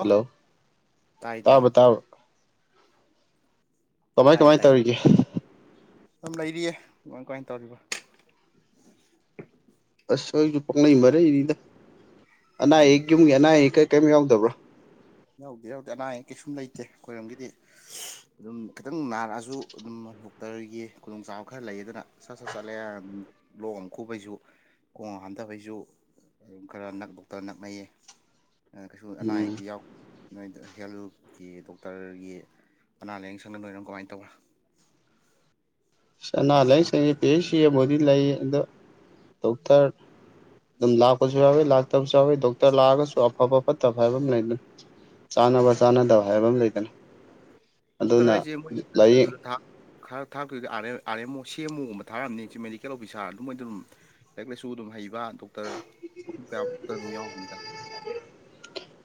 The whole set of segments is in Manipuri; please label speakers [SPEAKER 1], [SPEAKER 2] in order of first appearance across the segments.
[SPEAKER 1] ꯍꯜꯂꯣ
[SPEAKER 2] ꯇꯥꯏ ꯇꯥꯏ
[SPEAKER 1] ꯇꯥꯕ꯭ꯔꯣ ꯇꯥꯕ꯭ꯔꯣ ꯀꯃꯥꯏ
[SPEAKER 2] ꯇꯥꯏꯌꯦ
[SPEAKER 1] ꯀꯃꯥꯏ
[SPEAKER 2] ꯇꯥꯏꯌꯦ
[SPEAKER 1] ꯇꯧꯔꯤꯒꯦ
[SPEAKER 2] ꯗꯨꯝ ꯂꯩꯔꯤꯌꯦ ꯀꯃꯥꯏ ꯀꯃꯥꯏꯟ ꯇꯧꯔꯤꯕ
[SPEAKER 1] ꯑꯁ ꯑꯩꯁꯨ ꯄꯥꯡꯅꯩ ꯃꯔꯩꯅꯤꯗ ꯑꯅꯥ
[SPEAKER 2] ꯎꯝ
[SPEAKER 1] ꯑꯌꯦꯛ ꯌꯨꯝꯒꯤ ꯑꯅꯥ ꯑꯌꯦꯛ ꯀꯩ ꯀꯔꯤꯝ ꯌꯥꯎꯗꯕ꯭ꯔꯥ
[SPEAKER 2] ꯌꯥꯎꯗꯦ ꯌꯥꯎꯗꯦ ꯑꯅꯥ ꯑꯌꯦꯛ ꯀꯩꯁꯨꯝ ꯂꯩꯇꯦ ꯈꯣꯏꯔꯣꯝꯒꯤꯗꯤ ꯑꯗꯨꯝ ꯈꯤꯇꯪ ꯅꯥꯔꯛꯑꯁꯨ ꯑꯗꯨꯝ ꯗꯣꯛꯇꯔꯒꯤ ꯈꯨꯗꯣꯡꯆꯥꯕ ꯈꯔ ꯂꯩꯌꯦꯗꯅꯅ ꯁꯠ ꯁꯠ ꯆꯠꯂꯦ ꯂꯣꯛ ꯑꯃ ꯈꯨꯕꯩꯁꯨ ꯈꯣꯡ ꯍꯥꯝꯊꯕꯩꯁꯨ ꯑꯗꯨꯝ ꯈꯔ ꯅꯛꯕꯨꯛꯇ ꯗꯣꯛꯇꯔ ꯅꯛꯅꯩꯌꯦ ꯑ ꯀꯩꯁꯨ ꯑꯅꯥ
[SPEAKER 1] ꯎꯝ
[SPEAKER 2] ꯑꯌꯦꯛꯇꯤ ꯌꯥꯎ ꯅꯣꯏꯗ ꯍꯦꯜꯂꯨꯄꯒꯤ ꯗꯣꯛꯇꯔꯒꯤ ꯑꯅꯥ ꯂꯥꯏꯌꯦꯡ ꯁꯪꯅ ꯅꯣꯏꯔꯣꯝ ꯀꯃꯥꯏꯅ ꯇꯧꯕ
[SPEAKER 1] ꯑꯅꯥ
[SPEAKER 2] ꯈꯔ
[SPEAKER 1] ꯂꯥꯌꯦꯡꯁꯪ ꯁꯦ ꯄꯤ ꯑꯩꯆ ꯁꯤ ꯑꯃꯕꯨꯗꯤ ꯂꯩꯌꯦ ꯑꯗꯣ ꯗꯣꯛꯇꯔ ꯑꯗꯨꯝ ꯂꯥꯛꯄꯁꯨ ꯌꯥꯎꯋꯤ ꯂꯥꯛꯇꯕꯁꯨ ꯌꯥꯎꯋꯤ ꯗꯣꯛꯇꯔ ꯂꯥꯛꯑꯒꯁꯨ ꯑꯐꯕ ꯐꯠꯇꯕ ꯍꯥꯏꯕ ꯑꯃ ꯂꯩꯗꯅ ꯆꯥꯅꯕ ꯆꯥꯅꯗꯕ ꯍꯥꯏꯕ ꯑꯃ ꯂꯩꯗꯅ
[SPEAKER 2] ꯗꯣꯛꯇꯔ
[SPEAKER 1] ꯑꯗꯨꯅ
[SPEAKER 2] ꯍꯥꯏꯖꯦ ꯃꯣꯏ
[SPEAKER 1] ꯂꯥꯏꯌꯦꯡ
[SPEAKER 2] ꯑꯗꯨꯗ ꯊꯥ ꯈꯔ ꯊꯥꯔꯛꯇꯣꯏꯗꯤ ꯑꯥꯔ ꯑꯥꯔ ꯑꯦꯝ ꯑꯣ ꯁꯤ ꯑꯦꯝ ꯑꯣꯒꯨꯝꯕ ꯊꯥꯛꯑꯝꯅꯤ ꯆꯤꯞ ꯃꯦꯗꯤꯀꯦꯜ ꯑꯣꯐꯤꯁꯥꯔ ꯑꯗꯨ ꯃꯣꯏꯗꯨ ꯑꯗꯨꯝ ꯂꯥꯏꯔꯤꯛ ꯂꯥꯏꯁꯨ ꯑꯗꯨꯝ ꯍꯩꯕ ꯗꯣꯛꯇꯔ ꯃꯐꯝ ꯀꯌꯥꯃꯛꯇ ꯑꯗꯨꯝ ꯌꯥꯎꯔꯝꯒꯅꯤꯗ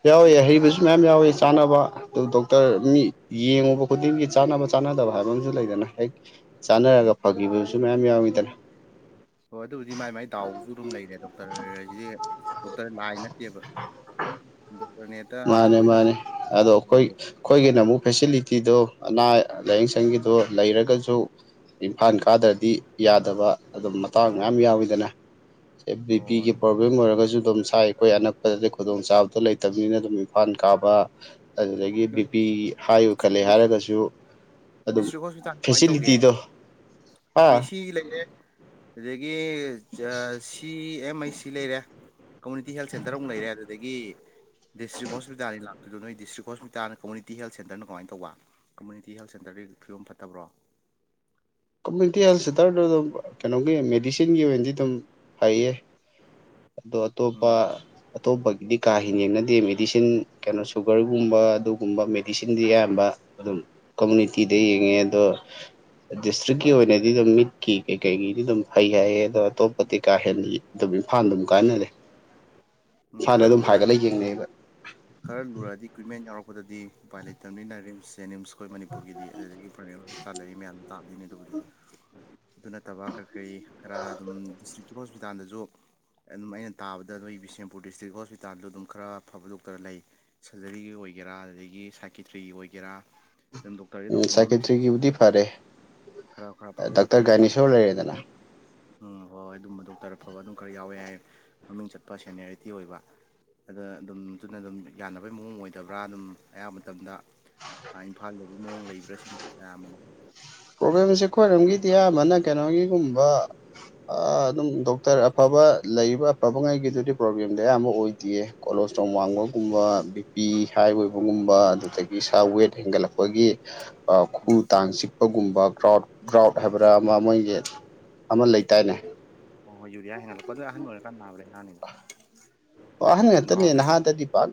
[SPEAKER 1] ꯌꯥꯎꯏ ꯍꯩꯕꯁꯨ ꯃꯌꯥꯝ ꯌꯥꯎꯋꯤ ꯆꯥꯅꯕ ꯑꯗꯨ ꯗꯣꯛꯇꯔ ꯃꯤ ꯌꯦꯡꯉꯨꯕ ꯈꯨꯗꯤꯡꯒꯤ ꯆꯥꯟꯅꯕ ꯆꯥꯟꯅꯗꯕ ꯍꯥꯏꯕ ꯑꯃꯁꯨ ꯂꯩꯗꯅ ꯍꯦꯛ ꯆꯥꯟꯅꯔꯒ ꯐꯒꯤꯕꯁꯨ ꯃꯌꯥꯝ ꯌꯥꯎꯋꯤꯗꯅ
[SPEAKER 2] ꯍꯣꯏ ꯑꯗꯨꯕꯨꯗꯤ ꯃꯥꯏ ꯃꯥꯏ ꯗꯥꯎꯁꯨ ꯑꯗꯨꯝ ꯂꯩꯔꯦ ꯗꯣꯛꯇꯔ ꯍꯥꯏꯁꯤꯗꯤ ꯗꯣꯛꯇꯔ ꯂꯥꯏꯅꯠ ꯅꯠꯇꯦꯕ ꯗꯣꯛꯇꯔꯅꯦꯕ
[SPEAKER 1] ꯃꯥꯅꯦ ꯃꯥꯅꯦ ꯑꯗꯣ ꯑꯩꯈꯣꯏ ꯑꯩꯈꯣꯏꯒꯤꯅ ꯑꯃꯨꯛ ꯐꯦꯁꯤꯂꯤꯇꯤꯗꯣ ꯑꯅꯥ ꯂꯥꯏꯌꯦꯡꯁꯪꯒꯤꯗꯣ ꯂꯩꯔꯒꯁꯨ ꯏꯝꯐꯥꯜ ꯀꯥꯗ꯭ꯔꯗꯤ ꯌꯥꯗꯕ ꯑꯗꯨꯝ ꯃꯇꯥꯡ ꯃꯌꯥꯝ ꯌꯥꯎꯋꯤꯗꯅ ꯕꯤ
[SPEAKER 2] ꯑꯣ
[SPEAKER 1] ꯄꯤꯒꯤ ꯄ꯭ꯔꯣꯕ꯭ꯂꯦꯝ ꯑꯣꯏꯔꯒꯁꯨ ꯑꯗꯨꯝ ꯁꯥꯏ ꯑꯩꯈꯣꯏ ꯑꯅꯛꯄꯗꯗꯤ ꯈꯨꯗꯣꯡꯆꯥꯥꯕꯗꯣ ꯂꯩꯇꯕꯅꯤꯅ ꯑꯗꯨꯝ ꯏꯝꯐꯥꯜ ꯀꯥꯕ ꯑꯗꯨꯗꯒꯤ ꯕꯤ
[SPEAKER 2] ꯅꯣꯏ
[SPEAKER 1] ꯄꯤ ꯍꯥꯏ ꯑꯣꯏ ꯈꯠꯂꯦ ꯍꯥꯏꯔꯒꯁꯨ ꯑꯗꯨꯝ
[SPEAKER 2] ꯗꯤꯁꯇ꯭ꯔꯤꯛ ꯍꯣꯁꯄꯤꯇꯥꯜ ꯀꯃꯥꯏꯅ ꯇꯧꯒꯦ
[SPEAKER 1] ꯐꯦꯁꯤꯂꯤꯇꯤꯗꯣ ꯍꯥ
[SPEAKER 2] ꯄꯤ ꯁꯤ ꯂꯩꯔꯦ ꯑꯗꯨꯗꯒꯤ ꯁꯤ ꯑꯦꯝ ꯍꯩꯁ ꯁꯤ ꯂꯩꯔꯦ ꯀꯝꯃꯨꯅꯤꯇꯤ ꯍꯦꯜꯠ ꯁꯦꯟꯇꯔ ꯑꯃꯨꯛ ꯂꯩꯔꯦ ꯑꯗꯨꯗꯒꯤ ꯗꯤꯁꯇ꯭ꯔꯤꯛ ꯍꯣꯁꯄꯤꯇꯥꯜꯅꯤ ꯂꯥꯛꯇꯣꯏꯗꯣ ꯅꯣꯏ ꯗꯤꯁꯇ꯭ꯔꯤꯛ ꯍꯣꯁꯄꯤ ꯇꯥꯅ ꯀꯝꯃꯨꯅꯤꯇꯤ ꯍꯦꯜꯊ ꯁꯦꯟꯇꯔꯅ ꯀꯃꯥꯏꯅ ꯇꯧꯕ ꯀꯝꯃꯨꯅꯤꯇꯤ ꯍꯦꯜꯠ ꯁꯦꯟꯇꯔꯗꯒꯤ ꯐꯤꯕꯝ ꯐꯠꯇꯕ꯭ꯔꯣ
[SPEAKER 1] ꯀꯝꯃꯨꯅꯤꯇꯤ ꯍꯦꯜ ꯁꯦꯟꯇꯔꯗ ꯑꯗꯨꯝ ꯀꯩꯅꯣꯒꯤ ꯃꯦꯗꯤꯁꯤꯟꯒꯤ ꯑꯣꯏꯅꯗꯤ ꯑꯗꯨꯝ ꯐꯩꯌꯦ ꯑꯗꯣ
[SPEAKER 2] ꯎꯝ
[SPEAKER 1] ꯑꯇꯣꯞꯄ ꯑꯇꯣꯞꯄꯒꯤꯗꯤ ꯀꯥ ꯍꯦꯟꯅ ꯌꯦꯡꯅꯗꯦ ꯃꯦꯗꯤꯁꯤꯟ ꯀꯩꯅꯣ ꯁꯨꯒꯔꯒꯨꯝꯕ ꯑꯗꯨꯒꯨꯝꯕ ꯃꯦꯗꯤꯁꯤꯟꯗꯤ ꯑꯌꯥꯝꯕ ꯑꯗꯨꯝ ꯀꯝꯃꯨꯅꯤꯇꯤꯗ ꯌꯦꯡꯉꯦ ꯑꯗꯣ ꯗꯤꯁꯇ꯭ꯔꯤꯛꯀꯤ ꯑꯣꯏꯅꯗꯤ ꯑꯗꯨꯝ ꯃꯤꯠꯀꯤ ꯀꯩ ꯀꯩꯒꯤꯗꯤ ꯑꯗꯨꯝ ꯐꯩ ꯍꯥꯏꯌꯦ ꯑꯗꯣ ꯑꯇꯣꯞꯄꯗꯤ ꯀꯥ ꯍꯦꯟꯅ ꯑꯗꯨꯝ ꯏꯝꯐꯥꯜꯗ ꯑꯗꯨꯝ ꯀꯥꯅꯔꯦ
[SPEAKER 2] ꯎꯝ ꯈꯔ ꯂꯨꯔꯛ
[SPEAKER 1] ꯌꯦꯡꯅꯩꯑꯕ
[SPEAKER 2] ꯈꯔ ꯂꯨꯔꯗꯤ ꯏꯀ꯭ꯋꯤꯞꯃꯦꯟ ꯌꯥꯎꯔꯛꯄꯗꯗꯤ ꯎꯄꯥꯏ ꯂꯩꯇꯕꯅꯤꯅ ꯔꯤꯝꯁ ꯖꯦꯅꯤꯝꯁ ꯑꯩꯈꯣꯏ ꯃꯅꯤꯄꯨꯔꯒꯤꯗꯤ ꯑꯗꯨꯗꯒꯤ ꯄ꯭ꯔꯥꯏꯕꯦꯠ ꯍꯣꯁꯄꯤꯇꯥꯜ ꯂꯩꯔꯤ ꯃꯌꯥꯝꯁꯦ ꯇꯥꯗꯣꯏꯅꯤ ꯑꯗꯨꯕꯨꯗꯤ ꯑꯗꯨ ꯅꯠꯇꯕ ꯀꯔꯤ ꯀꯔꯤ ꯈꯔ ꯑꯗꯨꯝ ꯗꯤꯁꯇ꯭ꯔꯤꯛꯀꯤ ꯍꯣꯁꯄꯤꯇꯥꯜꯗꯁꯨ ꯑꯗꯨꯝ ꯑꯩꯅ ꯇꯥꯕꯗ ꯅꯣꯏ ꯕꯤꯁꯦꯟꯄꯨꯔ ꯗꯤꯁꯇ꯭ꯔꯤꯛ ꯍꯣꯁꯄꯤꯇꯥꯜꯗ ꯑꯗꯨꯝ ꯈꯔ ꯐꯕ ꯗꯣꯛꯇꯔ ꯂꯩ ꯁꯔꯖꯔꯤꯒꯤ ꯑꯣꯏꯒꯦꯔꯥ ꯑꯗꯨꯗꯒꯤ ꯁꯥꯏꯀꯦꯇ꯭ꯔꯤꯒꯤ ꯑꯣꯏꯒꯦꯔꯥ ꯑꯗꯨꯝ ꯗꯣꯛꯇꯔꯗꯤ
[SPEAKER 1] ꯎꯝ
[SPEAKER 2] ꯑꯗꯨꯝ ꯃꯃꯤꯡ ꯆꯠ
[SPEAKER 1] ꯁꯥꯏꯀꯦꯇ꯭ꯔꯤꯒꯤꯕꯨꯗꯤ ꯐꯔꯦ
[SPEAKER 2] ꯈꯔ ꯈꯔ ꯐꯕ ꯗꯣꯛꯇꯔ
[SPEAKER 1] ꯗꯥꯛꯇꯔ
[SPEAKER 2] ꯅꯣꯏ ꯇꯥꯛ
[SPEAKER 1] ꯒꯥꯏꯅꯦꯁꯣꯔ ꯂꯩꯔꯦꯗꯅ
[SPEAKER 2] ꯎꯝ ꯍꯣꯏ ꯍꯣꯏ ꯑꯗꯨꯝꯕ ꯗꯣꯛꯇꯔ ꯑꯐꯕ ꯑꯗꯨꯝ ꯈꯔ ꯌꯥꯎꯋꯦ ꯍꯥꯏ ꯃꯃꯤꯡ ꯆꯠꯄ ꯁꯦꯟꯅꯤꯌꯔ ꯊꯤ ꯑꯣꯏꯕ ꯑꯗ ꯑꯗꯨꯝ ꯑꯗꯨꯅ ꯑꯗꯨꯝ ꯌꯥꯅꯕꯩ ꯃꯑꯣꯡ ꯑꯣꯏꯗꯕ꯭ꯔꯥ ꯑꯗꯨꯝ ꯑꯌꯥꯝꯕ ꯃꯇꯝꯗ ꯏꯝꯐꯥꯜꯗꯒꯤ ꯃꯑꯣꯡ ꯂꯩꯕ꯭ꯔꯥ ꯁꯤ ꯃꯌꯥꯝ ꯑꯃ
[SPEAKER 1] ꯄ꯭ꯔꯣꯕ꯭ꯂꯦꯝꯁꯦ ꯑꯩꯈꯣꯏꯔꯣꯝꯒꯤꯗꯤ ꯑꯌꯥꯝꯕꯅ ꯀꯩꯅꯣꯒꯤꯒꯨꯝꯕ ꯑꯥ ꯑꯗꯨꯝ ꯗꯣꯛꯇꯔ ꯑꯐꯕ ꯂꯩꯕ ꯑꯐꯕꯉꯩꯒꯤꯗꯨꯗꯤ ꯄ꯭ꯔꯣꯕ꯭ꯂꯦꯝꯗꯤ ꯑꯌꯥꯝꯕ ꯑꯣꯏꯗꯦ ꯀꯣꯂꯣꯁꯇ꯭ꯔꯣꯜ ꯋꯥꯡꯕꯒꯨꯝꯕ ꯕꯤꯄꯤ ꯍꯥꯏ ꯑꯣꯏꯕꯒꯨꯝꯕ ꯑꯗꯨꯗꯒꯤ ꯏꯁꯥ ꯋꯦꯠ ꯍꯦꯟꯒꯠꯂꯛꯄꯒꯤ ꯑ ꯈꯨ ꯇꯥꯡ ꯆꯤꯛ ꯑꯗꯨꯒꯨꯝꯕ ꯀ꯭ꯔꯥꯎꯠ ꯀ꯭ꯔꯥꯎꯠ ꯍꯥꯏꯕ꯭ꯔꯥ ꯑꯃ ꯃꯣꯏꯒꯤ ꯑꯃ ꯂꯩꯇꯥꯅꯦ
[SPEAKER 2] ꯑꯣ ꯍꯣꯏ ꯌꯨꯔꯤꯌꯥ ꯍꯦꯟꯠꯂꯛꯄ ꯑꯗꯨꯅ ꯑꯍꯟ ꯑꯣꯏꯔꯀꯥꯟ ꯅꯥꯕꯗ ꯂꯩꯅꯥꯅꯤꯗ
[SPEAKER 1] ꯑꯣ ꯑꯍꯟ ꯉꯥꯛꯇꯅꯦ ꯅꯍꯥꯗꯗꯤ ꯄꯥꯛ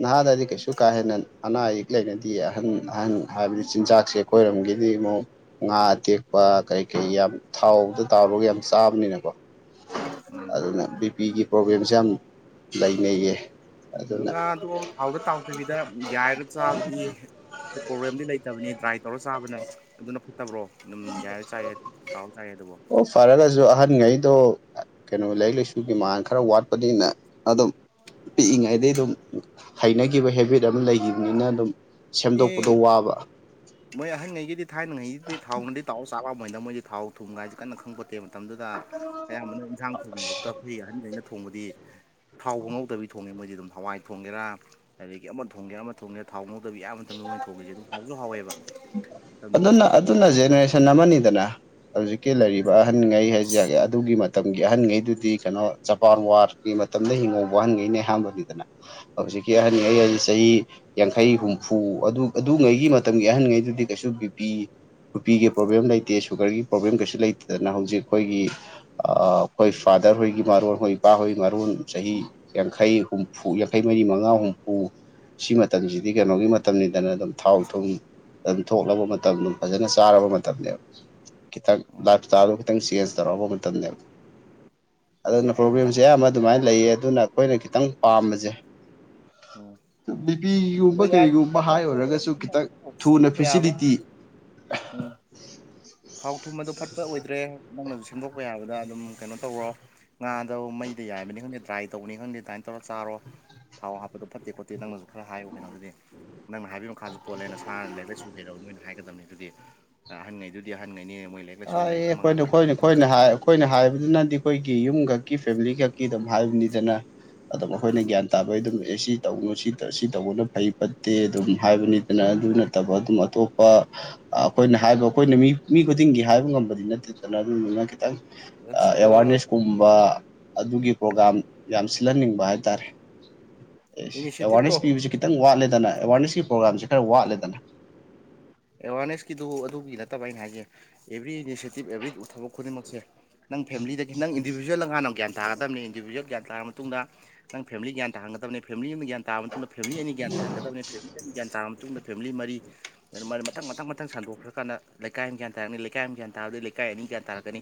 [SPEAKER 1] ꯅꯍꯥꯗꯗꯤ ꯀꯩꯁꯨ ꯀꯥ ꯍꯦꯟꯅ ꯑꯅꯥ ꯑꯌꯦꯛ ꯂꯩꯅꯗꯤꯌꯦ ꯑꯍꯟ ꯑꯍꯟ ꯍꯥꯏꯕꯗꯤ ꯆꯤꯟꯖꯥꯛꯁꯦ ꯈꯣꯏꯔꯣꯝꯒꯤꯗꯤ ꯑꯃꯨꯛ ꯉꯥ ꯑꯇꯦꯛꯄ ꯀꯩ ꯀꯩ ꯌꯥꯝ ꯊꯥꯎꯗ ꯇꯥꯎꯔꯒ ꯌꯥꯝ ꯆꯥꯕꯅꯤꯅꯀꯣ
[SPEAKER 2] ꯎꯝ
[SPEAKER 1] ꯑꯗꯨꯅ ꯕꯤ ꯄꯤꯒꯤ ꯄ꯭ꯔꯣꯕ꯭ꯂꯦꯝꯁꯦ ꯌꯥꯝ ꯂꯩꯅꯩꯌꯦ
[SPEAKER 2] ꯑꯗꯣ
[SPEAKER 1] ꯑꯗꯨꯅ
[SPEAKER 2] ꯉꯥꯗꯣ ꯊꯥꯎꯗ ꯇꯥꯎꯗꯕꯤꯗ ꯌꯥꯏꯔꯒ ꯆꯥꯕꯗꯤ ꯄ꯭ꯔꯣꯕ꯭ꯂꯦꯝꯗꯤ ꯂꯩꯇꯕꯅꯤ ꯗ꯭ꯔꯥꯏ ꯇꯧꯔ ꯆꯥꯕꯅ ꯑꯗꯨꯅ ꯐꯠꯇꯕ꯭ꯔꯣ ꯑꯗꯨꯝ ꯌꯥꯏ ꯆꯥꯌꯥꯏ ꯇꯥꯎꯔ ꯆꯥꯏ ꯑꯗꯨꯕꯣ
[SPEAKER 1] ꯑꯣ ꯐꯔꯒꯁꯨ ꯑꯍꯟꯉꯩꯗꯣ ꯀꯩꯅꯣ ꯂꯥꯏꯔꯤꯛ ꯂꯥꯏꯁꯨꯒꯤ ꯃꯉꯥꯟ ꯈꯔ ꯋꯥꯠꯄꯅꯤꯅ ꯑꯗꯨꯝ ꯄꯤꯛꯏꯉꯩꯗꯩ ꯑꯗꯨꯝ ꯍꯩꯅꯈꯤꯕ ꯍꯦꯕꯤꯠ ꯑꯃ ꯂꯩꯒꯤꯕꯅꯤꯅ ꯑꯗꯨꯝ
[SPEAKER 2] ꯑꯦ
[SPEAKER 1] ꯁꯦꯝꯗꯣꯛꯄꯗꯣ ꯋꯥꯕ
[SPEAKER 2] ꯃꯣꯏ ꯑꯍꯟꯉꯩꯒꯤꯗꯤ ꯊꯥꯏꯅꯉꯩꯒꯤꯗꯤ ꯊꯥꯎꯅꯗꯤ ꯇꯥꯎ ꯆꯥꯔꯛꯑꯝꯃꯣꯏꯗ ꯃꯣꯏꯗꯤ ꯊꯥꯎ ꯊꯨꯝꯒ ꯒꯥꯏꯖꯦ ꯀꯟꯅ ꯈꯪꯄꯣꯠꯇꯦ ꯃꯇꯝꯗꯨꯗ ꯑꯌꯥꯝꯕꯅ ꯏꯟꯁꯥꯡ ꯊꯣꯡꯕ ꯇꯞꯄꯔ ꯑꯍꯟ ꯒꯩꯅ ꯊꯣꯡꯕꯗꯤ ꯊꯥꯎꯕꯨ ꯉꯧꯗꯕꯤ ꯊꯣꯡꯉꯦ ꯃꯣꯏꯗꯤ ꯑꯗꯨꯝ ꯍꯋꯥꯏ ꯊꯣꯡꯒꯦꯔꯥ ꯑꯗꯒꯤ ꯑꯃ ꯊꯣꯡꯒꯦꯔꯥ ꯑꯃ ꯊꯣꯡꯒꯦꯔꯥ ꯊꯥꯎ ꯗꯕꯤ ꯑꯌꯥꯝꯕ ꯃꯇꯝꯗ ꯃꯣꯏꯅ ꯊꯣꯡꯏꯖꯦ ꯑꯗꯨꯝ ꯍꯥꯎꯖꯨ ꯍꯥꯎꯋꯦꯕ ꯇꯝꯕꯒꯤ
[SPEAKER 1] ꯑꯗꯨꯅ ꯑꯗꯨꯅ ꯖꯦꯅꯦꯔꯦꯁꯟ ꯑꯃꯥꯅꯤꯗꯅ ꯍꯧꯖꯤꯛꯀꯤ ꯂꯩꯔꯤꯕ ꯑꯍꯟꯉꯩ ꯍꯥꯏꯖꯒꯦ ꯗꯨꯒꯤ ꯃꯇꯝꯒꯤ ꯑꯍꯟꯉꯩꯗꯨꯗꯤ ꯀꯩꯅꯣ ꯖꯄꯥꯟ ꯋꯥꯔꯒꯤ ꯃꯇꯝꯗ ꯍꯤꯡꯍꯧꯕ ꯑꯍꯥꯟꯒꯩꯅꯦ ꯍꯥꯝꯕꯅꯤꯗ ꯍꯧꯖꯤꯛꯀꯤ ꯑꯍꯟꯉꯩ ꯍꯥꯏꯖꯦ ꯆꯍꯤ ꯌꯥꯡꯈꯩ ꯍꯨꯝ ꯐꯨ ꯑꯗꯨ ꯑꯗꯨꯉꯩꯒꯤ ꯃꯇꯝꯒꯤ ꯑꯍꯟꯉꯩꯗꯨꯗꯤ ꯀꯩꯁꯨ ꯕꯤꯄꯤ ꯅꯨꯄꯤꯒꯤ ꯄ꯭ꯔꯣꯕ꯭ꯂꯦꯝ ꯂꯩꯇꯦ ꯁꯨꯒꯔꯒꯤ ꯄ꯭ꯔꯣꯕ꯭ꯂꯦꯝ ꯀꯩꯁꯨ ꯂꯩꯇꯦꯗꯅ ꯍꯧꯖꯤꯛ ꯈꯣꯏꯒꯤ ꯑꯥ ꯑꯈꯣꯏ ꯐꯥꯗꯔ ꯍꯣꯏꯒꯤ ꯃꯔꯣꯟ ꯍꯣꯏ ꯏꯄꯥ ꯍꯣꯏꯒꯤ ꯃꯔꯣꯟ ꯆꯍꯤ ꯌꯥꯡꯈꯩ ꯍꯨꯝꯐꯨ ꯌꯥꯡꯈꯩ ꯃꯔꯤ ꯃꯉꯥ ꯍꯨꯝꯐꯨ ꯁꯤ ꯃꯇꯝꯁꯤꯗꯤ ꯀꯩꯅꯣꯒꯤ ꯃ ꯇꯝꯅꯤꯗꯅ ꯑꯗꯨꯝ ꯊꯥꯎ ꯊꯨꯝ ꯑꯗꯨꯝ ꯊꯣꯛꯂꯕ ꯃꯇꯝ ꯑꯗꯨꯝ ꯐꯖꯅ ꯆꯥꯔꯕ ꯃꯇꯝꯅꯦꯕ ꯈꯤꯇꯪ
[SPEAKER 2] ꯎꯝ
[SPEAKER 1] ꯂꯥꯏꯞ ꯁ꯭ꯇꯥꯏꯜꯗꯣ ꯈꯤꯇꯪ ꯆꯦꯟꯖ ꯇꯧꯔꯕ ꯃꯇꯝꯅꯦꯕ
[SPEAKER 2] ꯑꯦ
[SPEAKER 1] ꯑꯗꯨꯅ
[SPEAKER 2] ꯑꯩꯗ
[SPEAKER 1] ꯄ꯭ꯔꯣꯕ꯭ꯂꯦꯝꯖꯦ ꯑꯌꯥꯝꯕ ꯑꯗꯨꯃꯥꯏꯅ ꯂꯩꯌꯦ ꯑꯗꯨꯅ ꯈꯣꯏꯅ ꯈꯤꯇꯪ ꯄꯥꯝꯕꯖꯦ
[SPEAKER 2] ꯎꯝ
[SPEAKER 1] ꯕꯤ ꯄꯤꯒꯨꯝꯕ ꯀꯔꯤꯒꯨꯝ
[SPEAKER 2] ꯁꯨꯝ ꯌꯥꯕ
[SPEAKER 1] ꯐꯦꯁꯤꯂꯤꯇꯤ
[SPEAKER 2] ꯎꯝ ꯊꯥꯎ ꯊꯨꯝ ꯑꯗꯣ ꯐꯠꯄ ꯑꯣꯏꯗ꯭ꯔꯦ ꯅꯪꯅꯖꯨ ꯁꯦꯝꯗꯣꯛꯄ ꯌꯥꯕꯗ ꯑꯗꯨꯝ ꯀꯩꯅꯣ ꯇꯧꯔꯣ ꯉꯥꯗꯣ ꯃꯩꯗ ꯌꯥꯏꯕꯅꯤ ꯈꯪꯗꯦ ꯗ꯭ꯔꯥꯏ ꯇꯧꯕꯅꯤ ꯈꯪꯗꯦ ꯗꯥꯏꯟ ꯇꯧꯔ ꯆꯥꯔꯣ ꯊꯥꯎ ꯍꯥꯞꯄꯗꯣ ꯐꯠꯇꯦ ꯈꯣꯠꯇꯦ ꯅꯪꯅꯖꯨ ꯈꯔ ꯍꯥꯏꯌꯨ ꯀꯩꯅꯣ ꯑꯗꯨꯗꯤ ꯅꯪꯅ ꯍꯥꯏꯕꯩ ꯃꯈꯥꯖꯨ ꯄꯣꯜꯂꯦ ꯅꯁꯥ ꯂꯥꯏꯔꯤꯛ ꯂꯥꯏꯁꯨ ꯍꯩꯔ ꯅꯣꯏꯅ ꯍꯥꯏꯒꯗꯕꯅꯤ ꯑꯗꯨꯗꯤ ꯑꯍꯟꯉꯩꯗꯨꯗꯤ ꯑꯍꯟꯒꯩꯅꯦ ꯃꯣꯏ ꯂꯩ
[SPEAKER 1] ꯑꯥꯏꯌꯦ ꯈꯣꯏꯅ-ꯈꯣꯏꯅ-ꯈꯣꯏꯅ ꯍꯥꯏ ꯑꯈꯣꯏꯅ ꯍꯥꯏꯕꯗꯨꯅꯗꯤ ꯈꯣꯏꯒꯤ ꯌꯨꯝꯒ ꯀꯤ ꯐꯦꯃ꯭ꯂꯤ ꯈꯛꯀꯤ ꯑꯗꯨꯝ ꯍꯥꯏꯕꯅꯤꯗꯅ ꯑꯗꯨꯝ ꯑꯈꯣꯏꯅ ꯒ꯭ꯌꯥꯟ ꯇꯥꯕꯩ ꯑꯗꯨꯝ ꯑꯦ ꯁꯤ ꯇꯧꯒꯅꯨ ꯁꯤ ꯇ ꯁꯤ ꯇꯧꯒꯅꯣ ꯐꯩ ꯐꯠꯇꯦ ꯑꯗꯨꯝ ꯍꯥꯏꯕꯅꯤ ꯑꯅ ꯑꯗꯨ ꯅꯠꯇꯕ ꯑꯗꯨꯝ ꯑꯇꯣꯞꯄ ꯑꯈꯣꯏꯅ ꯍꯥꯏꯕ ꯑꯈꯣꯏꯅ ꯃꯤ ꯃꯤ ꯈꯨ ꯇꯤꯡꯒꯤ ꯍꯥꯏꯕ ꯉꯝꯕꯗꯤ ꯅꯠꯇꯦꯗꯅ ꯑꯗꯨꯗꯨꯅ ꯈꯤꯇꯪ
[SPEAKER 2] ꯑꯁ
[SPEAKER 1] ꯑ
[SPEAKER 2] ꯑꯗꯣ
[SPEAKER 1] ꯑꯦꯋꯥꯔꯅꯦꯁꯀꯨꯝ ꯕꯥ ꯑꯗꯨꯒꯤ ꯄ꯭ꯔꯣꯒꯥꯝ ꯌꯥꯝ ꯁꯤꯜꯍꯟꯅꯤꯡꯕ ꯍꯥꯏꯇꯥꯔꯦ ꯑꯦꯁ
[SPEAKER 2] ꯏꯅꯤꯁꯤꯌꯦꯇꯤꯞꯇꯣ
[SPEAKER 1] ꯑꯦꯋꯥꯔꯅꯦꯁ ꯄꯤꯕꯁꯦ ꯈꯤꯇꯪ ꯋꯥꯠꯂꯦꯗꯅ ꯑꯦꯋꯥꯔꯅꯦꯁꯀꯤ ꯄ꯭ꯔꯣꯒꯥꯝꯖꯦ ꯈꯔ ꯋꯥꯠꯂꯦꯗꯅ
[SPEAKER 2] ꯑꯦꯋꯥꯔꯅꯦꯁꯀꯤꯗꯨ ꯑꯗꯨꯒꯤ ꯅꯠꯇꯕ ꯑꯩꯅ ꯍꯥꯏꯖꯦ ꯑꯦꯕ꯭ꯔꯤ ꯏꯅꯤꯁꯦꯇꯤꯞ ꯑꯦꯕ꯭ꯔꯤ ꯊꯕꯛ ꯈꯨꯗꯤꯡꯃꯛꯁꯦ ꯅꯪ ꯐꯦꯃ꯭ꯂꯤꯗꯒꯤ ꯅꯪ ꯏꯟꯗꯤꯕꯤꯖ꯭ꯋꯦꯜꯂ ꯉꯥꯅꯝ ꯒ꯭ꯌꯥꯟ ꯇꯥꯒꯗꯕꯅꯤ ꯏꯟꯗꯤꯕꯤꯖ꯭ꯋꯦꯜ ꯒ꯭ꯌꯥꯟ ꯇꯥꯔꯕ ꯃꯇꯨꯡꯗ ꯅꯪ ꯐꯦꯃ꯭ꯂꯤ ꯒ꯭ꯌꯥꯟ ꯇꯥꯍꯟꯒꯗꯕꯅꯦ ꯐꯦꯃ꯭ꯂꯤ ꯑꯃꯥ ꯒ꯭ꯌꯥꯟ ꯇꯥꯕ ꯃꯇꯨꯡꯗ ꯐꯦꯃ꯭ꯂꯤ ꯑꯅꯤ ꯒ꯭ꯌꯥꯟ ꯇꯥꯍꯟꯒꯗꯕꯅꯤ ꯐꯦꯃ꯭ꯂꯤ ꯑꯅꯤ ꯒ꯭ꯌꯥꯟ ꯇꯥꯔꯕ ꯃꯇꯨꯡꯗ ꯐꯦꯃ꯭ꯂꯤ ꯃꯔꯤ ꯑꯗꯨ ꯃꯔ ꯃꯊꯪ ꯃꯊꯪ ꯃꯊꯪ ꯁꯟꯗꯣꯛꯈ꯭ꯔꯀꯟꯗ ꯂꯩꯀꯥꯏ ꯑꯝ ꯒ꯭ꯌꯥꯟ ꯇꯥꯔꯅꯤ ꯂꯩꯀꯥꯏ ꯑꯃ ꯒ꯭ꯌꯥꯟ ꯇꯥꯕꯗꯩ ꯂꯩꯀꯥꯏ ꯑꯅꯤ ꯒ꯭ꯌꯥꯟ ꯇꯥꯔꯛꯀꯅꯤ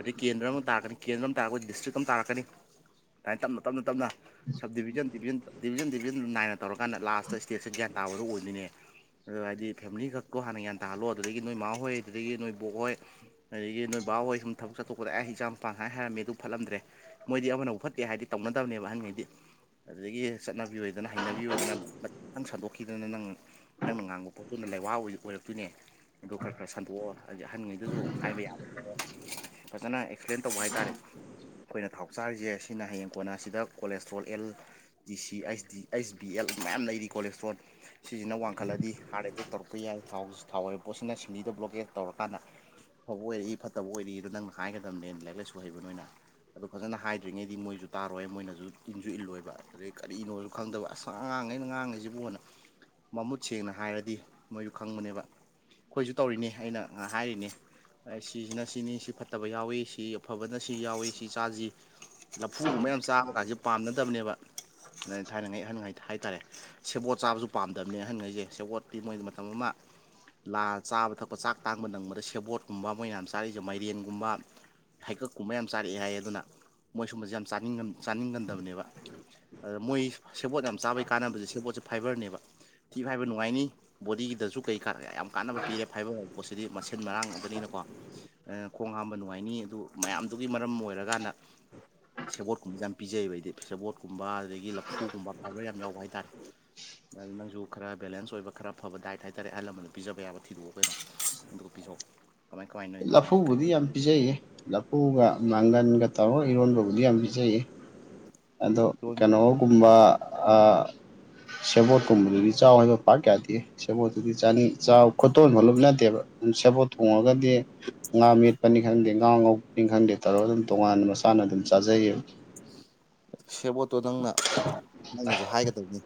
[SPEAKER 2] ꯑꯗꯩ ꯀꯦꯟꯗ꯭ꯔ ꯑꯃꯥ ꯇꯥꯔꯛꯀꯅꯤ ꯀꯦꯟꯗ꯭ꯔ ꯑꯃꯥ ꯇꯥꯔꯛꯄ ꯗꯤꯁꯇ꯭ꯔꯤꯛ ꯑꯃꯥ ꯇꯥꯔꯛꯀꯅꯤ ꯑꯥꯏꯟ ꯇꯞꯅ-ꯇꯞꯅ-ꯇꯞꯅ ꯁꯞ ꯗꯤꯕꯤꯖꯟ ꯗꯤꯕꯤꯖꯟ ꯗꯤꯕꯤꯖꯟ ꯗꯤꯕꯤꯖꯟ ꯅꯥꯏ ꯇꯧꯔꯀꯥꯟꯗ ꯂꯥꯁꯇ ꯁ꯭ꯇꯦꯠꯁꯦ ꯒ꯭ꯌꯥꯟ ꯇꯥꯕꯗꯣ ꯑꯣꯏꯗꯣꯏꯅꯦ ꯑꯗꯣ ꯍꯥꯏꯗꯤ ꯐꯦꯃ꯭ꯂꯤ ꯈꯛꯀꯣ ꯍꯥꯟꯅ ꯒ꯭ꯌꯥꯟ ꯇꯥꯍꯜꯂꯣ ꯑꯗꯨꯗꯒꯤ ꯅꯣꯏ ꯏꯃꯥꯍꯣꯏ ꯑꯗꯨꯗꯒꯤ ꯅꯣꯏ ꯕꯣꯛ ꯍꯣꯏ ꯑꯗꯒꯤ ꯅꯣꯏ ꯕꯥꯍꯣꯏ ꯁꯨꯝ ꯊꯕꯛ ꯆꯠꯊꯣꯛꯄꯗ ꯑꯦ ꯏꯆꯥꯅꯨꯄꯥꯅ ꯍꯥꯏ ꯍꯥꯏꯔꯝꯃꯦ ꯑꯗꯨ ꯐꯠꯂꯝꯗ꯭ꯔꯦ ꯃꯣꯏꯗꯤ ꯑꯃꯅꯕꯨ ꯐꯠꯇꯦ ꯍꯥꯏꯗꯤ ꯇꯧꯅꯗꯕꯅꯦꯕ ꯑꯍꯟꯉꯩꯗꯤ ꯑꯗꯨꯗꯒꯤ ꯆꯠꯅ ꯕꯤ ꯂꯩꯗꯅ ꯍꯩꯅꯕꯤ ꯑꯣꯏꯗꯅ ꯄꯠ ꯇꯪ ꯁꯟꯗꯣꯛꯈꯤꯗꯅ ꯅꯪ ꯅꯪꯅ ꯉꯥꯡꯕ ꯄꯣꯠꯇꯨꯅ ꯂꯩꯋꯥ ꯑꯣꯢ ꯑꯣꯏꯔꯛꯇꯣꯏꯅꯦ ꯑꯗꯨ ꯈꯔ ꯈꯔ ꯁꯟꯗꯣꯛꯑꯣ ꯍꯥꯏꯗꯤ ꯑꯍꯟꯉꯩꯗꯖꯨ ꯍꯥꯏꯕ ꯌꯥꯕ ꯃꯑꯣꯡꯗ ꯐꯖꯅ ꯑꯦ ꯐ꯭ꯂꯦꯟ ꯇꯧꯕ ꯍꯥꯏꯇꯥꯔꯦ ꯈꯣꯏꯅ ꯊꯥꯎ ꯆꯥꯔꯤꯖꯦ ꯁꯤꯅ ꯍꯌꯦꯡ ꯀꯣꯟꯅ ꯑꯁꯤꯗ ꯀꯣꯂꯦꯁꯇ꯭ꯔꯣꯜ ꯑꯦꯜ ꯗꯤ ꯁꯤ ꯑꯩꯁ ꯗꯤ ꯑꯩꯁ ꯕꯤ ꯑꯦꯜ ꯃꯌꯥꯝ ꯂꯩꯔꯤ ꯀꯣꯂꯦꯁꯇ꯭ꯔꯣꯜ ꯁꯤꯖꯤꯅ ꯋꯥꯡꯈꯠꯂꯗꯤ ꯂꯩꯗꯦꯛ ꯇꯧꯔꯛꯄ ꯌꯥꯏ ꯊꯥꯎꯁ ꯊꯥꯎ ꯑꯣꯏꯕ ꯄꯣꯠꯁꯤꯅ ꯁꯤꯡꯂꯤ ꯕ꯭ꯂꯣꯒꯦꯠ ꯇꯧꯔꯀꯥꯟꯗ ꯐꯕ ꯑꯣꯏꯔꯛꯏ ꯐꯠꯇꯕ ꯑꯣꯏꯔꯛꯏ ꯑꯗꯣ ꯅꯪꯅ ꯍꯥꯏꯒꯗꯝꯅꯦ ꯂꯥꯏꯔꯤꯛ ꯂꯥꯏꯁꯨ ꯍꯩꯕ ꯅꯣꯏꯅ ꯑꯗꯨ ꯐꯖꯅ ꯍꯥꯏꯗ꯭ꯔꯤꯉꯩꯗꯤ ꯃꯣꯏꯖꯨ ꯇꯥꯔꯣꯏ ꯃꯣꯏꯅꯖꯨ ꯏꯟꯖꯨ ꯏꯜꯂꯣꯏꯕ ꯑꯗꯨꯗꯩ ꯀꯔꯤꯅꯣꯖꯨ ꯈꯪꯗꯕ ꯑꯁ ꯑꯉꯥꯡꯉꯩꯅ ꯉꯥꯡꯏꯖꯤꯕꯨꯅ ꯃꯃꯨꯠ ꯁꯦꯡꯅ ꯍꯥꯏꯔ ꯗꯤ ꯃꯣꯏꯖꯨ ꯈꯪꯕꯅꯦꯕ ꯈꯣꯏꯖꯨ ꯇꯧꯔꯤꯅꯤ ꯑꯩꯅ ꯍꯥꯏꯔꯤꯅꯤ ꯁꯤꯁꯤꯅ ꯁꯤꯅꯤ ꯁꯤ ꯐꯠꯇꯕ ꯌꯥꯎꯏ ꯁꯤ ꯑꯐꯕꯅ ꯁꯤ ꯌꯥꯎꯏ ꯁꯤ ꯆꯥꯁꯤ ꯂꯐꯨꯒꯨꯝꯕ ꯌꯥꯝ ꯆꯥꯕ ꯀꯥꯟꯁꯤ ꯄꯥꯝꯅꯗꯝꯅꯦꯕ ꯑꯗꯨ ꯊꯥꯏꯅꯉꯥꯏ ꯑꯍꯟꯉꯩ ꯍꯥꯏꯇꯥꯔꯦ ꯁꯦꯕꯣꯠ ꯆꯥꯕꯁꯨ ꯄꯥꯝꯗꯝꯅꯦ ꯑꯍꯟꯈꯩꯁꯦ ꯁꯦꯕꯣꯠꯇꯤ ꯃꯣꯏ ꯃꯇꯝ ꯑꯃ ꯂꯥꯜ ꯆꯥꯕ ꯊꯛꯄ ꯆꯥꯛ ꯇꯥꯡꯕ ꯅꯪꯕꯗ ꯁꯦꯕꯣꯠꯀꯨꯝꯕ ꯃꯣꯏꯌꯥꯝ ꯆꯥꯔꯤꯁꯦ ꯃꯥꯏꯔꯦꯟꯒꯨꯝꯕ ꯍꯩꯀꯛꯀꯨꯝꯕ ꯌꯥꯝ ꯆꯥꯔꯛꯑꯦ ꯍꯥꯏꯌꯦ ꯑꯗꯨꯅ ꯃꯣꯏ ꯁꯨꯝꯕꯁꯦ ꯌꯥꯝ ꯆꯥꯅꯤꯡꯒꯟ ꯆꯥꯅꯤꯡꯒꯟꯗꯕꯅꯦꯕ ꯑꯗꯨꯗ ꯃꯣꯏ ꯁꯦꯕꯣꯠ ꯌꯥꯝ ꯆꯥꯕꯩ ꯀꯥꯟꯅꯕꯁꯦ ꯁꯦꯕꯣꯠꯁꯦ ꯐꯥꯏꯕꯔꯅꯦꯕ ꯊꯤ ꯐꯥꯏꯕ ꯅꯨꯡꯉꯥꯏꯅꯤ ꯕꯣꯗꯤꯒꯤꯗꯁꯨ ꯀꯩ ꯀꯥ ꯌꯥꯝ ꯀꯥꯟꯅꯕ ꯄꯤꯔꯦ ꯐꯥꯏꯕꯔ ꯑꯣꯏꯕ ꯄꯣꯠꯁꯤꯗꯤ ꯃꯁꯦꯟ ꯃꯔꯥꯡ ꯉꯥꯛꯇꯅꯤꯅꯀꯣ [unintelligible] ꯈꯣꯡ ꯍꯥꯝꯕ ꯅꯨꯡꯉꯥꯏꯅꯤ ꯑꯗꯨ ꯃꯌꯥꯝꯗꯨꯒꯤ ꯃꯔꯝ ꯑꯣꯏꯔꯀꯥꯟꯗ ꯁꯦꯕꯣꯠꯀꯨꯝꯕꯁꯦ ꯌꯥꯝ ꯄꯤꯖꯩꯌꯦꯕ ꯑꯩꯗꯤ ꯁꯦꯕꯣꯠꯀꯨꯝꯕ ꯑꯗꯒꯤ ꯂꯐꯨꯒꯨꯝꯕ ꯐꯥꯏꯕꯔ ꯌꯥꯝ ꯌꯥꯎꯕ ꯍꯥꯏꯇꯥꯥꯔꯦ ꯅꯪꯁꯨ ꯈꯔ ꯕꯦꯂꯦꯟꯁ ꯑꯣꯏꯕ ꯈꯔ ꯐꯕ ꯗꯥꯏꯠ ꯍꯥꯏꯇꯥꯔꯦ ꯑꯍꯜ ꯂꯃꯟ ꯄꯤꯖꯕ ꯌꯥꯕ ꯊꯤꯗꯣꯛꯑꯣ ꯀꯩꯅꯣ ꯑꯗꯨꯒ ꯄꯤꯖꯧ ꯀꯃꯥꯏ ꯀꯃꯥꯏꯅ ꯅꯣꯏ ꯀꯃꯥꯏ
[SPEAKER 1] ꯂꯐꯨꯕꯨꯗꯤ ꯌꯥꯝ ꯄꯤꯖꯩꯌꯦ ꯂꯐꯨꯒ ꯃꯡꯒꯟꯒ ꯇꯧꯔ ꯏꯔꯣꯟꯕꯕꯨꯗꯤ ꯌꯥꯝ ꯄꯤꯖꯩꯌꯦ ꯑꯗꯣ ꯀꯩꯅꯣ ꯀꯨꯝꯕ ꯑꯥ ꯁꯦꯕꯣꯠꯀꯨꯝꯕꯗꯗꯤ ꯆꯥꯎ ꯍꯥꯏꯕ ꯄꯥꯛ ꯌꯥꯗꯦ ꯁꯦꯕꯣꯠꯇꯨꯗꯤ ꯆꯅꯤꯡ ꯆ ꯈꯨꯠꯇꯣꯟ ꯐꯥꯎ ꯂꯨꯞ ꯅꯇꯦꯕ ꯑꯗꯨꯝ ꯁꯦꯕꯣꯠ ꯊꯣꯡꯉꯒꯗꯤ ꯉꯥ ꯃꯦꯠꯄꯅꯤ ꯈꯪꯗꯦ ꯉꯥ ꯉꯧꯕꯅꯤ ꯈꯪꯗꯦ ꯇꯧꯔꯒ ꯑꯗꯨꯝ ꯇꯣꯉꯥꯟꯅ ꯃꯁꯥꯅ ꯑꯗꯨꯝ ꯆꯥꯖꯩꯌꯦꯕ [inaudible]
[SPEAKER 2] ꯁꯦꯕꯣꯠꯇꯣ ꯅꯪꯅ ꯅꯪꯅꯁꯨ ꯍꯥꯏꯒꯗꯝꯅꯤ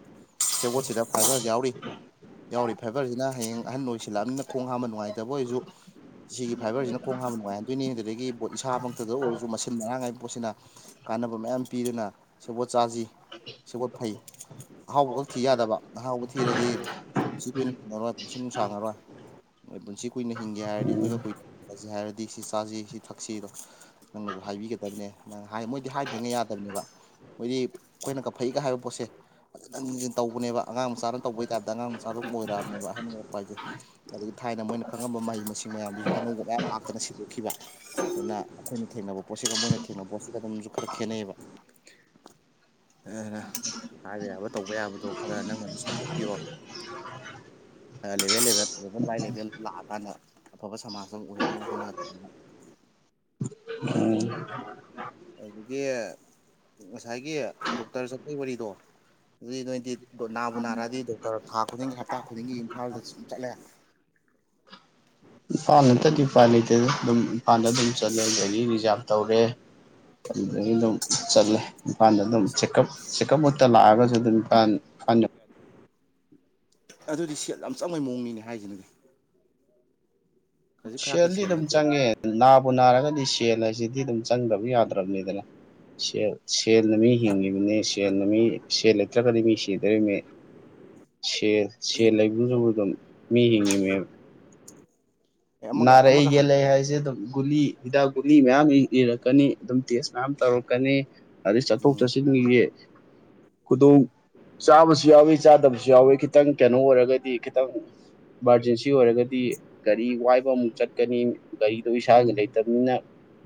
[SPEAKER 2] ꯁꯦꯕꯣꯠꯁꯤꯗ ꯐꯥꯢꯕꯔ ꯌꯥꯎꯔꯤ ꯌꯥꯎꯔꯤ ꯐꯥꯏꯕꯔꯁꯤꯅ ꯍꯌꯦꯡ ꯑꯍꯟ ꯑꯣꯏꯁꯤꯜꯂꯛꯑꯃꯤꯅ ꯈꯣꯡ ꯍꯥꯝꯕ ꯅꯨꯡꯉꯥꯏꯇꯕ ꯑꯣꯏꯁꯨ ꯁꯤꯒꯤ ꯐꯥꯏꯕꯔꯁꯤꯅ ꯈꯣꯡ ꯍꯥꯝꯕ ꯅꯨꯡꯉꯥꯏꯍꯟꯗꯣꯏꯅꯤ ꯑꯗꯨꯗꯒꯤ ꯄꯣꯠ ꯏꯁꯥꯃꯛꯇꯗ ꯑꯣꯏꯔꯁꯨ ꯃꯁꯤꯟ ꯃꯔꯥꯡ ꯍꯥꯏ ꯄꯣꯠꯁꯤꯅ ꯀꯥꯟꯅꯕ ꯃꯌꯥꯝ ꯄꯤꯗꯨꯅ ꯁꯦꯕꯣꯠ ꯆꯥꯁꯤ ꯁꯦꯕꯣꯠ ꯐꯩ ꯑꯍꯥꯎꯕ ꯈꯛ ꯊꯤ ꯌꯥꯗꯕ ꯑꯍꯥꯎꯕ ꯊꯤꯔꯗꯤ ꯀꯨꯏꯅ ꯍꯤꯡꯉꯔꯣꯏ ꯄꯨꯟꯁꯤ ꯅꯨꯡꯁꯥꯡꯉꯔꯣꯏ ꯃꯣꯢ ꯄꯨꯟꯁꯤ ꯀꯨꯏꯅ ꯍꯤꯡꯒꯦ ꯍꯥꯏꯔꯗꯤ ꯑꯈꯣꯏꯒ ꯀꯨꯏ ꯐꯁꯤ ꯍꯥꯏꯔꯗꯤ ꯁꯤ ꯆꯥꯁꯤ ꯁꯤ ꯊꯛꯁꯤꯗꯣ ꯅꯪꯅꯁꯨ ꯍꯥꯏꯕꯤꯒꯗꯕꯅꯦ ꯅꯪ ꯍꯥꯢ ꯃꯣꯏ ꯍꯥꯏꯗ꯭ꯔꯤꯉꯩ ꯌꯥꯗꯝꯅꯦꯕ ꯃꯣꯏꯗꯤ ꯑꯈꯣꯏꯅꯀ ꯐꯩꯒ ꯍꯥꯏꯕ ꯄꯣꯠꯁꯦ [unintelligible] ꯇꯧꯕꯅꯦꯕ ꯑꯉꯥꯡ ꯃꯆꯥꯅ ꯇꯧꯕꯩ ꯇꯥꯏꯞꯇ ꯑꯉꯥꯡ ꯃꯆꯥꯗꯨꯝ ꯑꯣꯏꯔꯛꯑꯕꯅꯦꯕ ꯑꯍꯟ ꯑꯣꯏꯔꯛꯄ ꯍꯥꯏꯁꯦ ꯑꯗꯒꯤ ꯊꯥꯏꯅ ꯃꯣꯏꯅ ꯈꯪꯉꯝꯕ ꯃꯍꯩ ꯃꯁꯤꯡ ꯃꯌꯥꯝꯗꯨꯁꯨ ꯑꯅꯧꯕ ꯃꯌꯥꯝ ꯂꯥꯛꯇꯅ ꯁꯤꯟꯗꯣꯛꯈꯤꯕ ꯑꯗꯨꯅ ꯑꯩꯈꯣꯏꯅ ꯊꯦꯡꯅꯕ ꯄꯣꯠꯁꯤꯒ ꯃꯣꯏꯅ ꯊꯦꯡꯅꯕ ꯄꯣꯠꯁꯤꯒ ꯑꯗꯨꯝꯁꯨ ꯈꯔ ꯈꯦꯠꯅꯩꯑꯦꯕ [unintelligible] ꯍꯥꯏꯕ ꯌꯥꯕ ꯇꯧꯕ ꯌꯥꯕꯗꯣ ꯈꯔ ꯅꯪꯅ ꯑꯗꯨꯝ ꯁꯟꯗꯣꯛꯄꯤꯔꯣ ꯑꯥ level level level by level ꯂꯥꯛꯑꯀꯥꯟꯗ ꯑꯐꯕ ꯁꯃꯥꯖ ꯑꯝ ꯑꯣꯏꯍꯟꯅꯕ ꯍꯣꯠꯅꯔꯅꯤ
[SPEAKER 1] ꯎꯝ
[SPEAKER 2] ꯑꯗꯨꯒꯤ ꯉꯁꯥꯏꯒꯤ ꯗꯣꯛꯇꯔ ꯆꯠꯄꯩ ꯋꯥꯔꯤꯗꯣ ꯑꯗꯨꯗꯤ ꯅꯣꯢꯗꯤ ꯑꯗꯣ ꯅꯥꯕꯨ ꯅꯥꯔꯛꯑꯗꯤ ꯗꯣꯛꯇꯔ ꯊꯥ ꯈꯨꯗꯤꯡꯒꯤ ꯍꯞꯇꯥ ꯈꯨꯗꯤꯡꯒꯤ ꯏꯝꯐꯥꯜꯗ ꯁꯨꯝ ꯆꯠꯂꯦ
[SPEAKER 1] ꯏꯝꯐꯥꯜ ꯅꯠꯇꯗꯤ ꯎꯄꯥꯏ ꯂꯩꯇꯦꯗ ꯑꯗꯨꯝ ꯏꯝꯐꯥꯜꯗ ꯑꯗꯨꯝ ꯆꯠꯂꯦ ꯒꯥꯔꯤ ꯔꯤꯖꯥꯕ ꯇꯧꯔꯦ ꯑꯗꯨꯗꯒꯤ ꯑꯗꯨꯝ ꯆꯠꯂꯦ ꯏꯝꯐꯥꯜꯗ ꯑꯗꯨꯝ ꯆꯦꯀꯞ ꯆꯦꯛꯀꯞ ꯃꯛꯇ ꯂꯥꯛꯑꯒꯁꯨ ꯑꯗꯨꯝ ꯏꯝꯐꯥꯜ ꯏꯝꯐꯥꯜ
[SPEAKER 2] ꯑꯗꯨꯗꯤ ꯁꯦꯜ ꯌꯥꯝ ꯆꯪꯕꯩ ꯃꯑꯣꯡꯅꯤꯅꯦ ꯍꯥꯏꯁꯤꯅꯗꯤ ꯈꯖꯤꯛ ꯈꯔꯥꯛꯀꯤ
[SPEAKER 1] ꯁꯦꯜꯗꯤ
[SPEAKER 2] ꯁꯦꯜ
[SPEAKER 1] ꯑꯗꯨꯝ
[SPEAKER 2] ꯅꯠꯇꯦꯕ
[SPEAKER 1] ꯆꯪꯉꯦ ꯅꯥꯕꯨ ꯅꯥꯔꯒꯗꯤ ꯁꯦꯜ ꯍꯥꯏꯁꯤꯗꯤ ꯑꯗꯨꯝ ꯆꯪꯗꯕ ꯌꯥꯗ꯭ꯔꯕꯅꯤꯗꯅ ꯁꯦꯜ ꯁꯦꯜꯅ ꯃꯤ ꯍꯤꯡꯉꯤꯕꯅꯤ ꯁꯦꯜ ꯃꯤ ꯁꯦꯜ ꯂꯩꯇ꯭ꯔꯒꯗꯤ ꯃꯤ ꯁꯤꯗꯣꯔꯤꯃꯤ ꯁꯦꯜ ꯁꯦꯜ ꯂꯩꯕꯨꯗꯨꯅꯕꯨ ꯑꯗꯨꯝ ꯃꯤ ꯍꯤꯡꯉꯤꯃꯦꯕ
[SPEAKER 2] ꯑꯦ ꯑꯃꯒ
[SPEAKER 1] ꯅꯥꯔꯛꯑꯦ
[SPEAKER 2] ꯑꯃꯒ ꯍꯪ
[SPEAKER 1] ꯌꯦꯛꯂꯦ ꯍꯥꯏꯁꯦ ꯑꯗꯨꯝ ꯒꯨꯂꯤ ꯍꯤꯗꯥꯛ ꯒꯨꯂꯤ ꯃꯌꯥꯝ ꯏꯔꯛꯀꯅꯤ ꯑꯗꯨꯝ ꯇꯦꯁ ꯃꯌꯥꯝ ꯇꯧꯔꯛꯀꯅꯤ ꯑꯗꯩ ꯆꯠꯊꯣꯛ
[SPEAKER 2] ꯎꯝ
[SPEAKER 1] ꯆꯠꯁꯤꯟꯒꯤꯒꯤ ꯈꯨꯗꯣꯡ ꯆꯥꯕꯁꯨ ꯌꯥꯎꯋꯤ ꯆꯥꯗꯕꯁꯨ ꯌꯥꯎꯋꯤ ꯈꯤꯇꯪ ꯀꯩꯅꯣ ꯑꯣꯏꯔꯒꯗꯤ ꯈꯤꯇꯪ ꯏꯃꯥꯔꯖꯦꯟꯁꯤ ꯑꯣꯏꯔꯒꯗꯤ ꯒꯔꯤ ꯋꯥꯏ ꯨꯕ ꯑꯃꯨꯛ ꯆꯠꯀꯅꯤ ꯒꯥꯔꯤꯗꯣ
[SPEAKER 2] ꯎꯝ
[SPEAKER 1] ꯏꯁꯥꯒꯤ ꯂꯩꯇꯕꯅꯤꯅ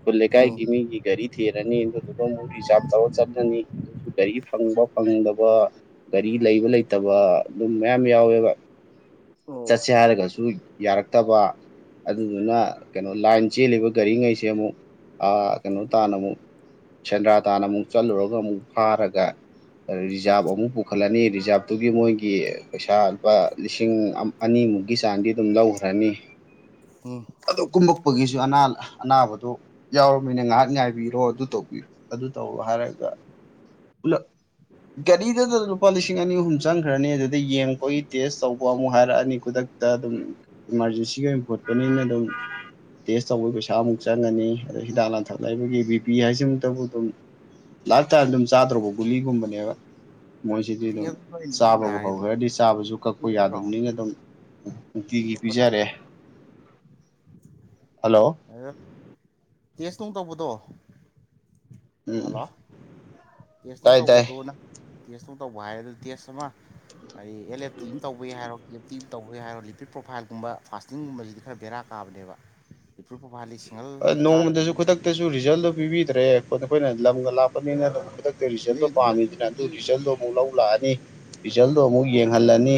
[SPEAKER 1] ꯈꯨꯜ
[SPEAKER 2] ꯎꯝ
[SPEAKER 1] ꯂꯩꯀꯥꯏꯒꯤ ꯃꯤ ꯃꯤꯒꯤ ꯒꯥꯔꯤ ꯊꯤꯔꯅꯤ ꯑꯗꯨꯗꯨꯒ ꯑꯃꯨꯛ ꯔꯤꯖꯥꯔꯕ ꯇꯧꯔ ꯆꯠꯂꯅꯤ ꯑꯗꯨꯁꯨ ꯒꯥꯔꯤ ꯐꯪꯕ ꯐꯪꯗꯕ ꯒꯥꯔꯤ ꯂꯩꯕ ꯂꯩꯇꯕ ꯑꯗꯨꯝ ꯃꯌꯥꯝ ꯌꯥꯎꯋꯦꯕ
[SPEAKER 2] ꯑꯣ
[SPEAKER 1] ꯆꯠꯁꯦ ꯍꯥꯏꯔꯒꯁꯨ ꯌꯥꯔꯛꯇꯕ ꯑꯗꯨꯗꯨꯅ ꯀꯩꯅꯣ ꯂꯥꯏꯟ ꯆꯦꯜꯂꯤꯕ ꯒꯥꯔꯤꯉꯩꯁꯦ ꯑꯃꯨꯛ ꯑ ꯀꯩꯅꯣ ꯇꯥꯟꯅ ꯑꯃꯨꯛ ꯁꯦꯟꯗ꯭ꯔꯥ ꯇꯥꯟꯅ ꯑꯃꯨꯛ ꯆꯠꯂꯨꯔꯒ ꯑꯃꯨꯛ ꯐꯥꯔꯒ ꯔꯤꯖꯥꯕ ꯑꯃꯨꯛ ꯄꯨꯈꯠꯂꯅꯤ ꯔꯤꯖꯥꯕꯇꯨꯒꯤ ꯃꯣꯏꯒꯤ ꯄꯩꯁꯥ ꯂꯨꯄꯥ ꯂꯤꯁꯤꯡ ꯑ ꯑꯅꯤꯃꯨꯛꯀꯤ ꯆꯥꯡꯗꯤ ꯑꯗꯨꯝ ꯂꯧꯒ꯭ꯔꯅꯤ
[SPEAKER 2] ꯎꯝ
[SPEAKER 1] ꯑꯗꯨ ꯀꯨꯝꯃꯛꯄꯒꯤꯁꯨ ꯑꯅꯥꯟ ꯑꯅꯥꯕꯗꯣ ꯌꯥꯎꯔꯕꯅꯤ ꯉꯥꯏꯍꯥꯛ ꯉꯥꯏꯕꯤꯔꯣ ꯑꯗꯨ ꯇꯧꯕꯤꯔꯣ ꯑꯗꯨ ꯇꯧꯔꯣ ꯍꯥꯏꯔꯒ ꯄꯨꯂꯞ ꯒꯥꯔꯤꯗꯗ ꯂꯨꯄꯥ ꯂꯤꯁꯤꯡ ꯑꯅꯤ ꯑꯍꯨꯝ ꯆꯪꯈ꯭ꯔꯅꯤ ꯑꯗꯨꯗ ꯌꯦꯡꯕꯒꯤ ꯇꯦꯁ ꯇꯧꯕ ꯑꯃꯨꯛ ꯍꯥꯏꯔꯛꯑꯅꯤ ꯈꯨꯗꯛ ꯇ ꯑꯗꯨꯝ ꯏꯃꯥꯔꯖꯦꯟꯁꯤꯒꯤ ꯑꯣꯏꯅ ꯄꯨꯈꯠꯄꯅꯤꯅ ꯑꯗꯨꯝ ꯇꯦꯁ ꯇꯧꯕꯒꯤ ꯄꯩꯁꯥ ꯑꯃꯨꯛ ꯆꯪꯉꯅꯤ ꯑꯗꯩ ꯍꯤꯗꯥꯛ ꯂꯥꯡꯊꯛ ꯂꯩꯕꯒꯤ ꯕꯤ ꯄꯤ ꯍꯥꯏꯁꯤꯃꯛꯇꯕꯨ ꯑꯗꯨꯝ ꯂꯥꯏꯞꯇꯥꯏꯝ ꯑꯗꯨꯝ ꯆꯥꯗ꯭ꯔꯣꯕ ꯒꯨꯂꯤꯒꯨꯝꯕꯅꯦꯕ ꯃꯣꯏꯖꯤꯗꯤ
[SPEAKER 2] ꯕꯤꯄꯤ
[SPEAKER 1] ꯑꯗꯨꯝ ꯆꯥꯕꯕꯨ
[SPEAKER 2] ꯅꯥꯔꯤꯕ
[SPEAKER 1] ꯍꯧꯒ꯭ꯔꯗꯤ ꯆꯥꯕꯁꯨ ꯀꯛꯄ
[SPEAKER 2] ꯅꯠꯇ꯭ꯔꯣ
[SPEAKER 1] ꯌꯥꯗꯕꯅꯤꯅ ꯑꯗꯨꯝ ꯅꯨꯡꯇꯤꯒꯤ
[SPEAKER 2] ꯑꯇꯣꯞꯄ
[SPEAKER 1] ꯄꯤꯖꯔꯦ
[SPEAKER 2] ꯅꯥꯕ
[SPEAKER 1] ꯍꯜꯂꯣ
[SPEAKER 2] ꯇꯥꯏꯌꯦ ꯇꯦꯁꯅꯨꯡ ꯇꯧꯕꯗꯣ
[SPEAKER 1] ꯎꯝ
[SPEAKER 2] ꯍꯜꯂꯣ ꯇꯦꯁ ꯅꯨꯡ
[SPEAKER 1] ꯇꯥꯏ ꯇꯥꯏ
[SPEAKER 2] ꯇꯧꯕꯗꯣ ꯅꯪ ꯇꯦꯁꯇꯪ ꯇꯧꯕ ꯍꯥꯏꯔꯦ ꯑꯗꯨ ꯇꯦꯁ ꯑꯃ ꯍꯥꯏꯗꯤ ꯑꯦꯜ ꯑꯦꯐ ꯇꯤ ꯑꯃ ꯇꯧꯕꯩ ꯍꯥꯏꯔꯣ ꯇꯤ ꯇꯧꯕꯩ ꯍꯥꯏꯔꯣ ꯂꯤꯄꯤꯠ ꯄ꯭ꯔꯣꯐꯥꯏꯜꯒꯨꯝꯕ ꯐꯥꯁꯇꯤꯡꯒꯨꯝꯕꯁꯤꯗꯤ ꯈꯔ ꯕꯦꯔꯥ ꯀꯥꯕꯅꯦꯕ ꯏꯄ꯭ꯔꯨꯞꯄ꯭ꯔꯣꯐꯥꯂꯤ ꯁꯤꯡꯉꯜ
[SPEAKER 1] ꯅꯣꯡꯃꯗꯁꯨ ꯈꯨꯗꯛꯇꯁꯨ ꯔꯤꯖꯜꯗꯣ ꯄꯤꯕꯤꯗ꯭ꯔꯦ ꯑꯩꯈꯣꯏꯅ ꯂꯝꯒ ꯂꯥꯞ ꯄꯅꯤꯅ ꯑꯗꯨꯝ ꯈꯨꯗꯛꯇ ꯔꯤꯖꯜꯗꯣ
[SPEAKER 2] ꯅꯣꯏ
[SPEAKER 1] ꯄꯥꯝꯃꯤꯗꯅ ꯑꯗꯨ
[SPEAKER 2] ꯑꯗꯨꯝ
[SPEAKER 1] ꯔꯤꯖꯜꯗꯣ ꯃꯨꯛ ꯂꯧ ꯂꯥꯛꯑꯅꯤ ꯔꯤꯖꯜꯗꯣ ꯑꯃꯨꯛ ꯌꯦꯡꯍꯜꯂꯅꯤ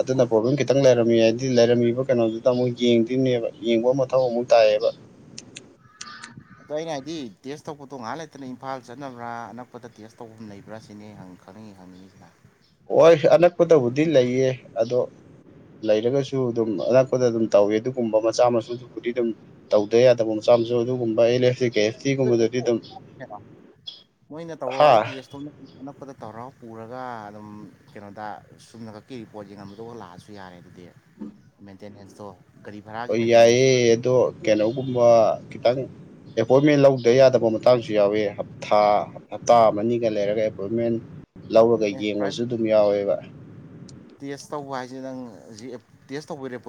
[SPEAKER 1] ꯑꯗꯨꯅ ꯄ꯭ꯔꯣꯕ꯭ꯂꯦꯝ ꯈꯤꯇꯪ ꯂꯩꯔꯝꯃꯤ ꯍꯥꯏꯗꯤ ꯂꯩꯔꯝꯃꯤꯕ ꯀꯩꯅꯣꯗꯨꯗ ꯑꯃꯨꯛ ꯌꯦꯡꯗꯨꯏꯅꯦꯕ ꯌꯦꯡꯕ ꯃꯊꯧ ꯑꯃꯨꯛ ꯇꯥꯏꯌꯦꯕ [unintelligible]
[SPEAKER 2] ꯑꯗꯣ ꯑꯩꯅ ꯍꯥꯏꯗꯤ ꯇꯦꯁ ꯇꯧꯕꯗꯣ ꯉꯥꯏꯍꯥꯛ ꯂꯩꯇꯅ ꯏꯝꯐꯥꯜ ꯆꯠꯅꯕ꯭ꯔꯥ ꯑꯅꯛꯄꯗ ꯇꯦꯁ ꯇꯧꯐꯝ ꯂꯩꯕ꯭ꯔꯥ ꯁꯤꯅꯦ ꯑꯩꯅ ꯍꯪꯉꯤꯗꯤ ꯈꯪꯅꯤꯡꯉꯤ ꯈꯪꯅꯤꯡꯉꯤ ꯁꯨꯃꯥꯏ
[SPEAKER 1] ꯑꯣꯏ ꯑꯅꯛꯄꯗꯕꯨꯗꯤ ꯂꯩꯌꯦ ꯑꯗꯣ ꯂꯩꯔꯒꯁꯨ ꯑꯗꯨꯝ ꯑꯅꯛꯄꯗ ꯑꯗꯨꯝ ꯇꯧꯋꯤ ꯑꯗꯨꯒꯨꯝꯕ ꯃꯆꯥ ꯃꯁꯨꯗꯨꯕꯨꯗꯤ ꯑꯗꯨꯝ ꯇꯧꯗ ꯌꯥꯗꯕ ꯃꯆꯥ ꯃꯁꯨ ꯑꯗꯨꯒꯨꯝꯕ ꯑꯦꯜ ꯑꯦꯐ ꯇꯤ ꯀꯦꯠ
[SPEAKER 2] [unintelligible] ꯃꯣꯏꯅ ꯇꯧꯔꯣ
[SPEAKER 1] ꯍꯥ
[SPEAKER 2] ꯍꯥꯏꯕ ꯇꯦꯁ ꯁꯣꯝꯅ ꯑꯅꯛꯄꯗ ꯊꯧꯔꯥꯎ ꯄꯨꯔꯒ ꯑꯗꯨꯝ ꯀꯩꯅꯣꯗ ꯆꯨꯝꯅ ꯈꯛꯀꯤ ꯔꯤꯄꯣꯠ ꯌꯦꯡꯍꯟꯕ ꯑꯗꯨꯒ ꯂꯥꯛꯑꯁꯤ ꯌꯥꯔꯦ ꯑꯗꯨꯗꯤ ꯃꯦꯟꯇꯦꯅꯦꯟꯁꯇꯣ ꯀꯔꯤ
[SPEAKER 1] ꯍꯣ ꯌꯥꯏꯑꯦ ꯑꯗꯣ ꯀꯩꯅꯣꯒꯨꯝꯕ ꯈꯤꯇꯪ ꯑꯦꯄꯣꯏꯟꯃꯦꯟ ꯂꯧꯗ ꯌꯥꯗꯕ ꯃꯇꯥꯡꯖꯨ ꯌꯥꯎꯑꯦ ꯍꯞ ꯊꯥ ꯍꯞꯇꯥ ꯑꯃꯅꯤꯒ ꯂꯩꯔꯒ ꯑꯦꯄꯣꯏꯟꯃꯦꯟ ꯂꯧꯔꯒ
[SPEAKER 2] ꯑꯦ ꯄ꯭ꯔꯥꯏꯚꯦꯠ
[SPEAKER 1] ꯌꯦꯡꯕꯖꯨ ꯑꯗꯨꯝ ꯌꯥꯎꯋꯦꯕ
[SPEAKER 2] ꯇꯦꯁ ꯇꯧꯕ ꯍꯥꯏꯖꯦ ꯅꯪ ꯍꯨꯖꯤꯛ ꯇꯦꯁ ꯇꯧꯕꯩ ꯔꯦꯄꯣꯏꯟ